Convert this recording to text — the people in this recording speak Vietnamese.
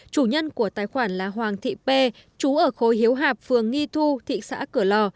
chủ nhân của tài khoản là hoàng thị pê chú ở khối hiếu hạp phường nghi thu thị xã cửa lò